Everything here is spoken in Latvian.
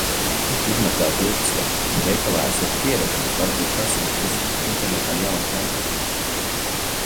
Izmazgā gultasveļu! Veikalā esot pievedums. Varbūt pasūti internetā jaunu komplektu?